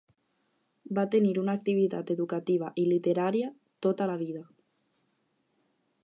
Va tenir una activitat educativa i literària tota la vida.